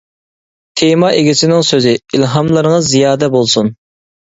تېما ئىگىسىنىڭ سۆزى : ئىلھاملىرىڭىز زىيادە بولسۇن!